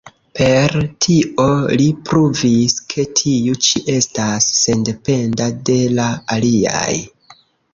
Per tio li pruvis, ke tiu ĉi estas sendependa de la aliaj.